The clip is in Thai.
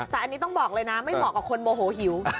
แต่อันนี้ต้องบอกเลยนะไม่เหมาะกับคนโมโหหิว